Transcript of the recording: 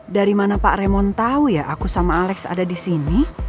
dari mana pak remon tahu ya aku sama alex ada di sini